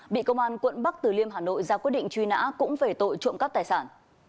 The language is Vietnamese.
bị công an quận bắc từ liêm hà nội ra quyết định truy nã cũng về tội trộm cắp tài sản